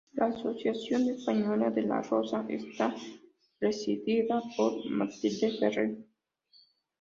La Asociación Española de la Rosa, está presidida por "Matilde Ferrer".